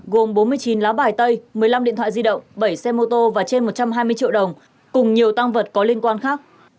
gồm bốn mươi chín lá bài tay một mươi năm điện thoại di động bảy xe mô tô và trên một trăm hai mươi triệu đồng cùng nhiều tăng vật có liên quan khác